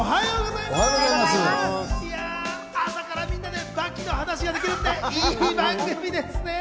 いや、朝からみんなね、『刃牙』の話ができるって、いい番組ですね！